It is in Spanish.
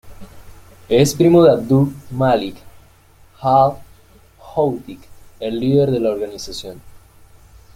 Es primo de Abdul-Malik al-Houthi, el líder de la organización.